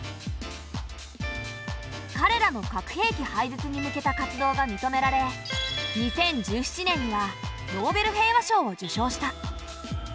かれらの核兵器廃絶に向けた活動が認められ２０１７年にはノーベル平和賞を受賞した。